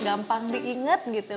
gampang diinget gitu